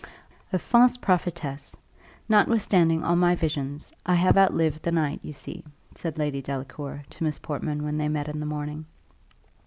"A false prophetess! Nowithstanding all my visions, I have outlived the night, you see," said Lady Delacour, to Miss Portman when they met in the morning.